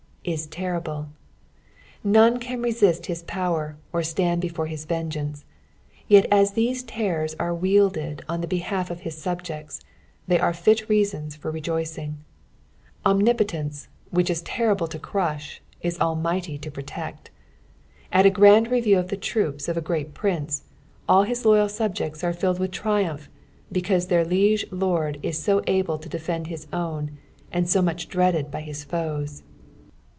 ''Is terrSiU," none can resist liis |K>wcr or stand before his veogeaiice ; yet as these terrors are wielded od the behulf of his Bubjects, tlity are fit reasuns for rejoicing. Omnipotence, wiiicli is terrible to crusli, is almighty to protec't. At a (craiid review of the troupa of a great prince, all his loyal subjects are filled with triumph, because their liege lord is so able to defend his own, and so muuh dreaded by his foes.